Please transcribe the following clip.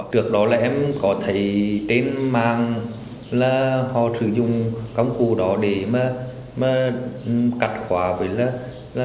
trước đó là em có thấy trên mạng là họ sử dụng công cụ đó để mà cắt khóa với là